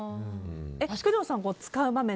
工藤さん、使う場面